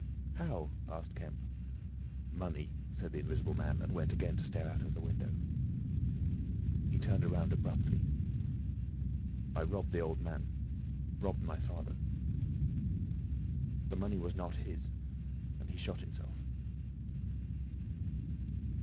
"How?" asked Kemp. "Money," said the Invisible Man, and went again to stare out of the window. He turned around abruptly. "I robbed the old man—robbed my father. "The money was not his, and he shot himself."